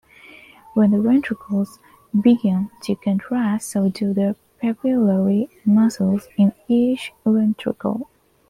When the ventricles begin to contract, so do the papillary muscles in each ventricle.